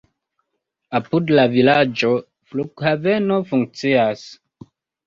Apud la vilaĝo flughaveno funkcias.